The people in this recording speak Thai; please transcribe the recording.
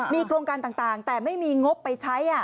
มีโครงการต่างแต่ไม่มีงบไปใช้